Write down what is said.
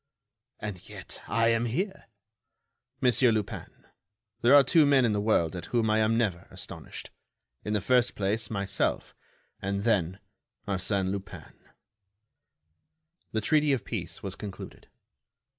"And yet I am here." "Monsieur Lupin, there are two men in the world at whom I am never astonished: in the first place, myself—and then, Arsène Lupin." The treaty of peace was concluded.